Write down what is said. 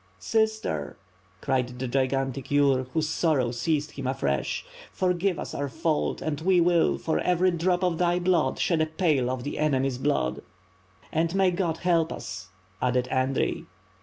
"Sister!" cried the gigantic Yur whose sorrow seized him afresh, "forgive us our fault and we will, for every drop of thy blood, shed a pail of the enemy's blood." "And may God help us?" added Audrey.